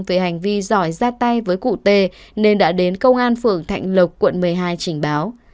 về hành vi giỏi ra tay với cụ tê nên đã đến công an phường thạnh lộc quận một mươi hai trình báo